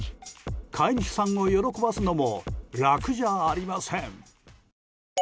飼い主さんを喜ばすのも楽じゃありません。